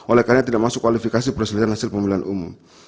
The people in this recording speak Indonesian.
oleh karena tidak masuk kualifikasi perselisihan hasil pemilihan umum